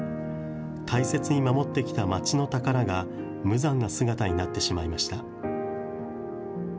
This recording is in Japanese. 大切に守ってきた町の宝が無残な姿になってしまいました。